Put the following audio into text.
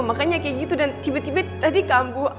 makanya kayak gitu dan tiba tiba tadi kambuh